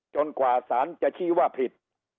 กว่าสารจะชี้ว่าผิด